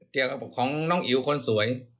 เทียบกับของนางอิ๋วคนสวย